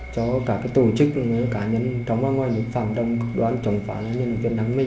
cho cả tổ chức cả nhân trong và ngoài những phạm động cực đoán chống phá nhân dân